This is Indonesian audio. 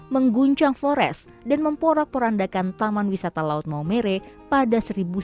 mengguncang flores dan memporak porandakan taman wisata laut maumere pada seribu sembilan ratus sembilan puluh